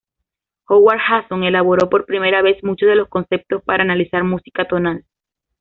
Howard Hanson elaboró por primera vez muchos de los conceptos para analizar música tonal.